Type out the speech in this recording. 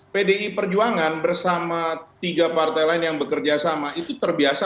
pdi perjuangan bersama tiga partai lain yang bekerja sama itu terbiasa